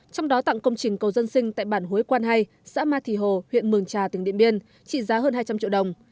trong đó tặng công trình cầu dân sinh tại bản huế quan hai xã ma thì hồ huyện mường trà tỉnh điện biên trị giá hơn hai trăm linh triệu đồng